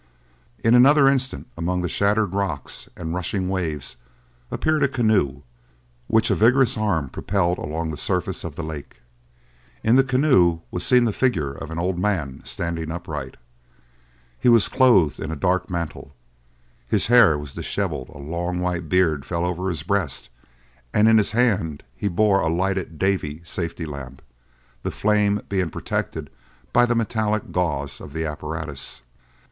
In another instant, among the shattered rocks and rushing waves appeared a canoe, which a vigorous arm propelled along the surface of the lake. In the canoe was seen the figure of an old man standing upright. He was clothed in a dark mantle, his hair was dishevelled, a long white beard fell over his breast, and in his hand he bore a lighted Davy safety lamp, the flame being protected by the metallic gauze of the apparatus.